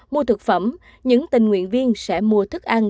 mua thực phẩm những tình nguyện viên sẽ mua thức ăn